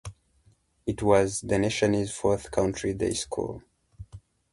It was the nation's fourth country day school.